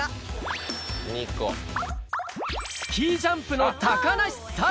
スキージャンプの高梨沙羅。